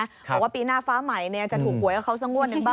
บอกว่าปีหน้าฟ้าใหม่จะถูกหวยกับเขาสักงวดหนึ่งบ้าง